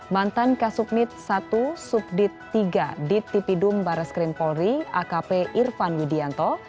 mantan kasuknit i subdit iii ditipidum baraskrin polri akp irvan widianto